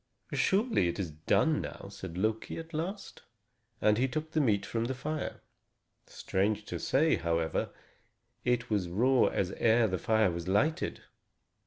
"Surely, it is done now," said Loki, at last; and he took the meat from the fire. Strange to say, however, it was raw as ere the fire was lighted.